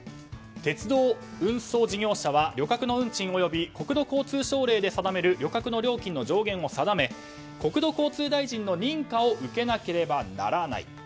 鉄道運送事業者は旅客の運賃及び国土交通省令で定める旅客の料金の上限を定め国土交通大臣の認可を受けなければならない。